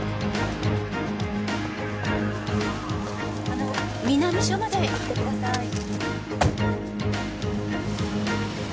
あの南署まで行ってください。